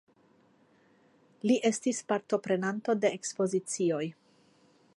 Li estis partoprenanto de ekspozicioj.